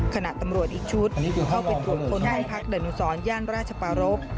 ขณะตำรวจอีกชุดเข้าเป็นทุกคนใยพักดนุษรย่านราชปรบ